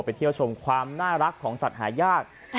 เที่ยวชมความน่ารักของสัตว์หายาก